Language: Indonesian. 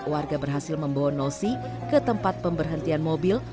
warga berhasil membawa nosi ke tempat pemberhentian mobil